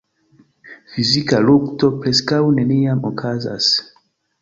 Fizika lukto preskaŭ neniam okazas.